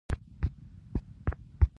ډاکټر منیربې راته راغی.